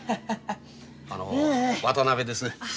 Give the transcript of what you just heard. あの渡辺です。